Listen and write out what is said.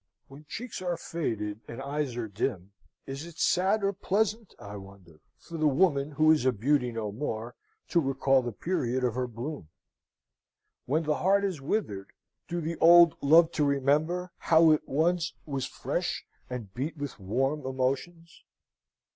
When cheeks are faded and eyes are dim, is it sad or pleasant, I wonder, for the woman who is a beauty no more, to recall the period of her bloom! When the heart is withered, do the old love to remember how it once was fresh and beat with warm emotions?